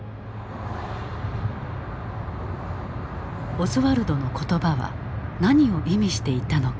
オズワルドの言葉は何を意味していたのか？